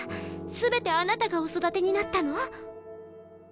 全てあなたがお育てになったの？